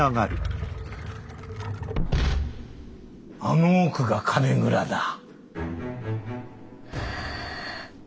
あの奥が金蔵だ。